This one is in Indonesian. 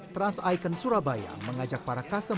trans icon surabaya mengajak para customer